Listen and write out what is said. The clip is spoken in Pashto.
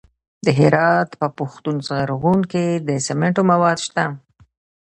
د هرات په پشتون زرغون کې د سمنټو مواد شته.